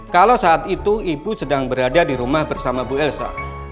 kalau saat itu ibu sedang berada di rumah bersama bu elsa